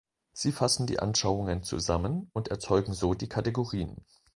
Sie fassen die Anschauungen zusammen und erzeugen so die Kategorien.